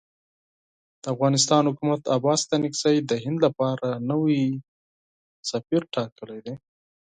د افغانستان حکومت عباس ستانکزی د هند لپاره نوی سفیر ټاکلی دی.